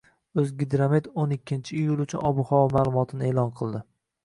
«O‘zgidromet»o'n ikkiiyul uchun ob-havo ma'lumotini e'lon qildi